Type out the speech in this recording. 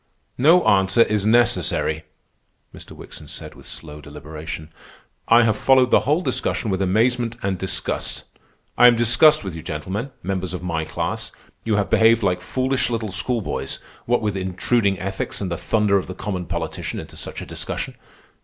"No answer is necessary," Mr. Wickson said with slow deliberation. "I have followed the whole discussion with amazement and disgust. I am disgusted with you gentlemen, members of my class. You have behaved like foolish little schoolboys, what with intruding ethics and the thunder of the common politician into such a discussion.